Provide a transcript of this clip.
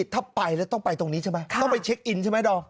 ถ้าไปแล้วต้องไปตรงนี้ใช่ไหมต้องไปเช็คอินใช่ไหมดอม